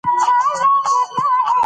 آیا دغه بریا به د تل لپاره پاتې شي؟